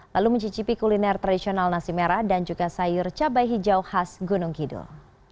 lalu mencicipi kuliner tradisional nasi merah dan juga sayur cabai hijau khas gunung kidul